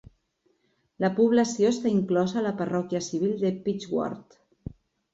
La població està inclosa a la parròquia civil de Pickworth.